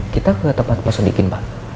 kita ke tempat tempatin pak